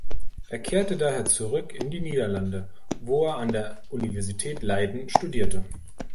Er kehrte daher zurück in die Niederlande, wo er an der Universität Leiden studierte.